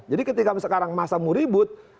jadi ketika sekarang masa muribut